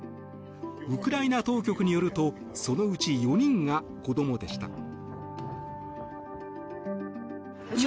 ウクライナ当局によるとそのうち４人が子どもでした。